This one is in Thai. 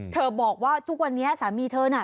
บอกว่าทุกวันนี้สามีเธอน่ะ